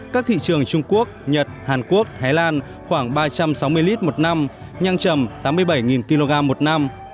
các thị trường trung quốc nhật hàn quốc thái lan khoảng ba trăm sáu mươi lít một năm nhanh chầm tám mươi bảy kg một năm